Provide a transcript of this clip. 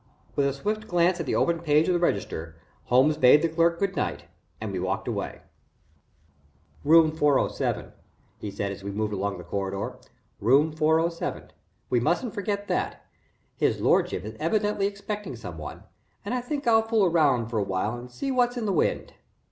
With a swift glance at the open page of the register, Holmes bade the clerk good night and we walked away. "Room 407," he said, as we moved along the corridor. "Room 407 we mustn't forget that. His lordship is evidently expecting some one, and I think I'll fool around for a while and see what's in the wind."